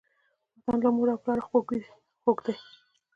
وطن له مور او پلاره خووږ دی.